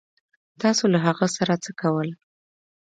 تاسو له هغه سره څه کول